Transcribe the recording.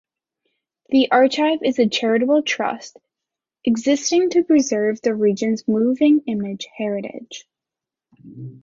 The archive is a charitable trust, existing to preserve the region's moving image heritage.